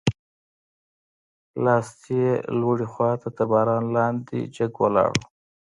لاستي یې لوړې خواته تر باران لاندې جګ ولاړ و.